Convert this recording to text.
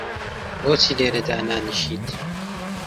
بۆچی لێرە دانانیشیت؟